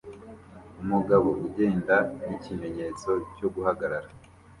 Umugabo ugenda n'ikimenyetso cyo guhagarara